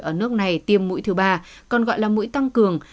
ở nước này tiêm mũi thứ ba còn gọi là mũi tăng cường